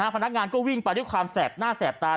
พนักงานก็วิ่งไปด้วยความแสบหน้าแสบตา